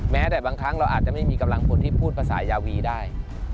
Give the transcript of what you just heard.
แม้แต่บางครั้งเราอาจจะไม่มีกำลังพลที่พูดภาษายาวีได้